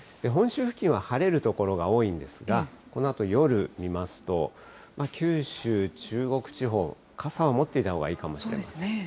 本州付近は晴れる所が多いんですが、このあと夜見ますと、九州、中国地方、傘を持っておいたほうがいいかもしれません。